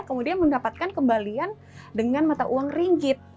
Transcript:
kemudian mendapatkan kembalian dengan mata uang ringgit